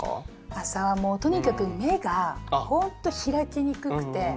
朝はもうとにかく目がほんと開きにくくてむくんでます。